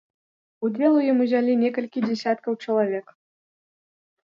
Удзел у ім узялі некалькі дзясяткаў чалавек.